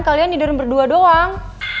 kalian diner berdua doang